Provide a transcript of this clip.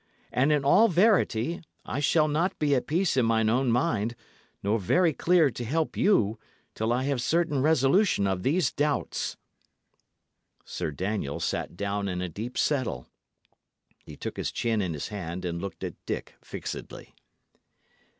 And in all verity, I shall not be at peace in mine own mind, nor very clear to help you, till I have certain resolution of these doubts." Sir Daniel sat down in a deep settle. He took his chin in his hand and looked at Dick fixedly.